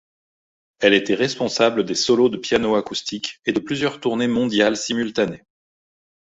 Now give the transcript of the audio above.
Elle était responsable des solos de piano acoustiques et de plusieurs tournées mondiales simultanées.